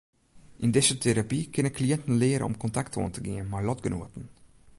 Yn dizze terapy kinne kliïnten leare om kontakt oan te gean mei lotgenoaten.